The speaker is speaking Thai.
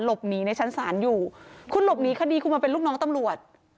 ในชั้นศาลอยู่คุณหลบหนีคดีคุณมาเป็นลูกน้องตำรวจ